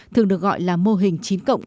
thường được gọi là mô hình chín